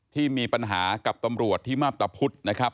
ที่มีปัญหากับตำรวจที่มาพตะพุธนะครับ